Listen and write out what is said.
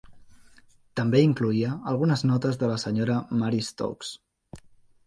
També incloïa algunes notes de la Sra. Mary Stokes.